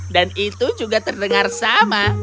dan itu juga terdengar sama